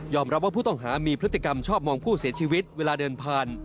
รับว่าผู้ต้องหามีพฤติกรรมชอบมองผู้เสียชีวิตเวลาเดินผ่าน